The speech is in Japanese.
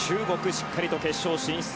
しっかりと決勝進出。